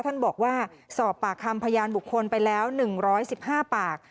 ท่านบอกว่าสอบปากคำพยานบุคคลไปแล้ว๑๑๕ปาก